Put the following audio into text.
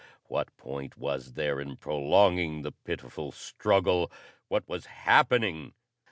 What point was there in prolonging the pitiful struggle? What was happening?